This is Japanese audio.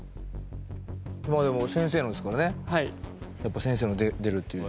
まあでも先生のですからね先生の「出る」っていう字。